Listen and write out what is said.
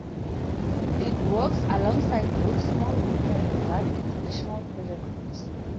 It works alongside both small local and large international pressure groups.